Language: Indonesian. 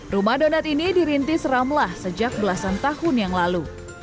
rumah donat ini dirintis ramlah sejak belasan tahun yang lalu